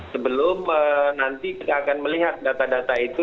sebelum nanti kita akan melihat data data itu